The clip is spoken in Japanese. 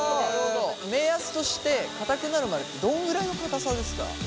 目安としてかたくなるまでってどのぐらいのかたさですか？